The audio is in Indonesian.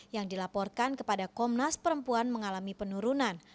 yang dilaporkan kepada komnas perempuan mengalami penurunan